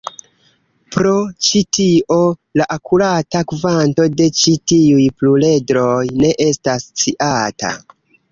Pro ĉi tio, la akurata kvanto de ĉi tiuj pluredroj ne estas sciata.